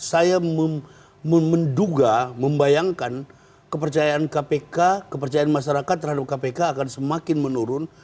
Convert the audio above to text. saya menduga membayangkan kepercayaan kpk kepercayaan masyarakat terhadap kpk akan semakin menurun